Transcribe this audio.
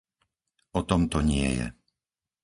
O tom to nie je.